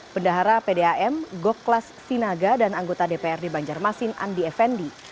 pendahara pdam goklas sinaga dan anggota dprd banjarmasin andi effendi